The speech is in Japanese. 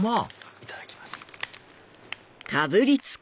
いただきます。